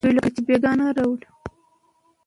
افغانستان له تودوخه ډک دی.